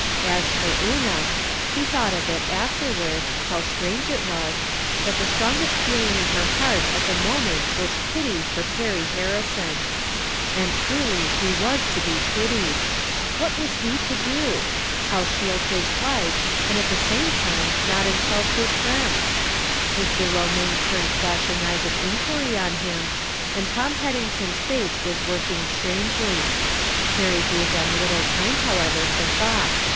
As for Una, she thought of it after ward, how strange it was, that the strongest feel ing in her heart at the moment was pity for Perry Harrison. And truly he was to be pitied ! What From Different Standpoints. 277 was he to do ? How sMeld his wife, and at the same time not insult his friend ? Mr. Eomaine turned flashing eyes of inquiry on him, and Tom Haddington's face was working strangely. Perry gave them little time, however, for thought.